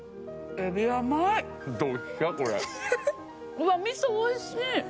うわ味噌おいしい。